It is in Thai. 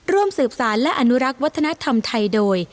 ร่วมสืบสารและอนุรักษ์วัฒนธรรมไทยโดย